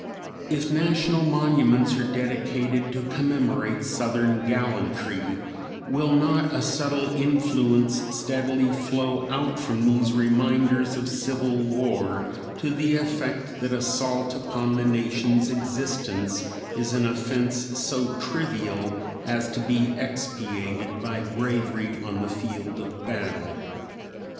If National monuments are dedicated to commemorate Southern gallantry will not a subtle influence steadily flow out from these reminders of civil war to the effect that assault upon the Nation's existence is an offense so trivial as to be expiated by bravery on the field of battle?